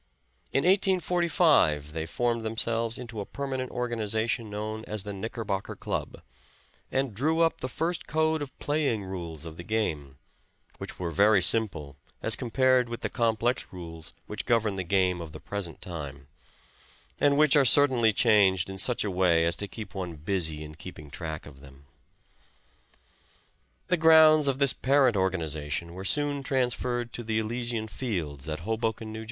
In 1845 they formed themselves into a permanent organization known as the Knickerbocker Club, and drew up the first code of playing rules of the game, which were very simple as compared with the complex rules which govern the game of the present time, and which are certainly changed in such a way as to keep one busy in keeping track of them. The grounds of this parent organization were soon transferred to the Elysian Fields, at Hoboken, N. J.